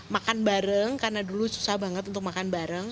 makan bareng karena dulu susah banget untuk makan bareng